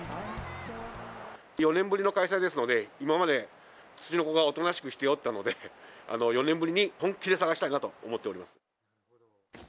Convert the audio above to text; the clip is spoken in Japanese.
４年ぶりの開催ですので、今までつちのこがおとなしくしてよったので、４年ぶりに本気で探したいなと思っております。